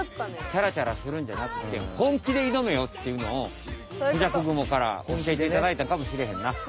チャラチャラするんじゃなくて「本気でいどめよ！」っていうのをクジャクグモからおしえていただいたかもしれへんな。